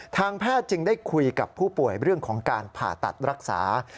ทางแพทย์จึงได้คุยกับผู้ป่วยเรื่องของการผ่าตัดรักษา